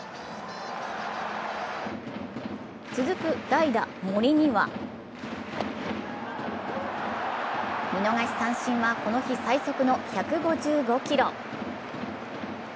続く代打・森には見逃し三振はこの日最速の１５５キロ。